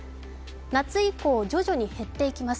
夏以降、徐々に減っていきます。